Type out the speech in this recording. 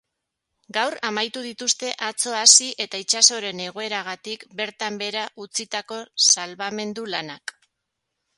Gaur amaitu dituzte atzo hasi eta itsasoaren egoeragatik bertan behera utzitako salbamendu lanak.